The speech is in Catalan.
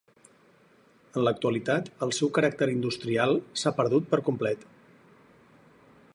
En l'actualitat el seu caràcter industrial s'ha perdut per complet.